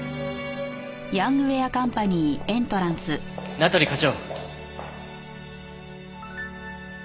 名取課長。